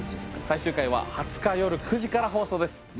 最終回は２０日夜９時から放送です